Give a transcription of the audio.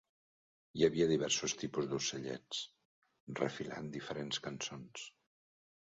Hi havia diversos tipus d'ocellets, refilant diferents cançons.